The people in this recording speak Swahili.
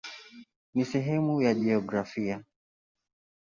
Ni sehemu ya jiografia.